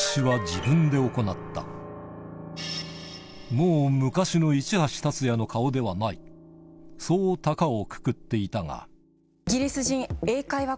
もう昔の市橋達也の顔ではないそう高をくくっていたがイギリス人英会話講師